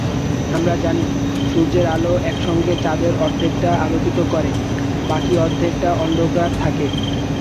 আমরা জানি, সূর্যের আলো একসঙ্গে চাঁদের অর্ধেকটা আলোকিত করে, বাকি অর্ধেকটা অন্ধকারে থাকে।